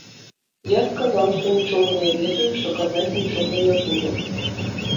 Я сказаў, што нічога не ведаю і што казаць нічога не буду.